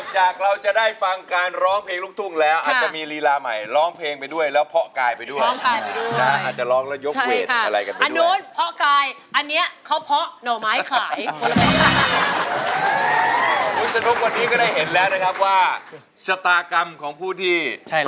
หลายคนแง้หน้าเหมือนขอพรจากฟ้าก็มี